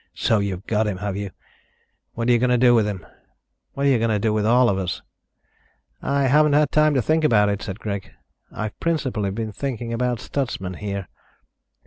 "So you've got him, have you? What are you going to do with him? What are you going to do with all of us?" "I haven't had time to think about it," said Greg. "I've principally been thinking about Stutsman here."